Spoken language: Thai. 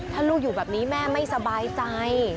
ถ้าลูกอยู่แบบนี้แม่ไม่สบายใจ